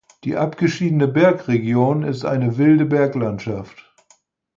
Die abgeschiedene Bergregion ist eine wilde Berglandschaft.